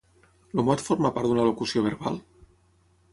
El mot forma part d'una locució verbal?